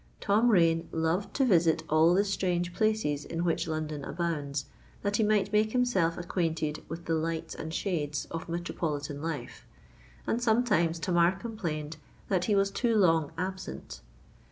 Tom Rain loved to visit all the strange places in which London abounds, that he might make himself acquainted with the "lights and shades" of metropolitan life; and sometimes Tamar complained that he was too long absent.